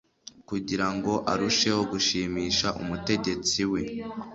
kugira ngo arusheho gushimisha umutegetsi we